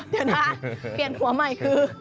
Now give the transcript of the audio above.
เดี๋ยวนะเปลี่ยนหัวใหม่คือ